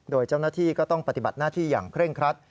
โดยเจ้าหน้าที่ก็ต้องปฏิบัติหน้าที่อย่างเคร่งครัด